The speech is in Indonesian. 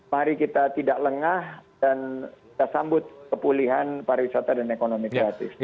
mari kita tidak lengah dan kita sambut kepulihan pariwisata dan ekonomi kreatif